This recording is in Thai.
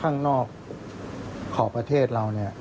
๒ข้างนอกขอบประเทศเรา